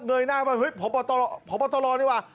เงยหน้าเข้าไปเฮ้ยผอบอตรอนนี่ว่ะ